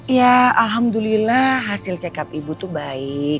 ya alhamdulillah hasil check up ibu itu baik